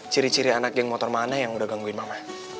ciri ciri anak geng motor mana yang udah gangguin mama